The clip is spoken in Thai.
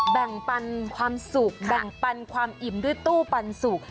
แบ่งปันความสุขแบ่งปันความอิ่มด้วยตู้ปันสุก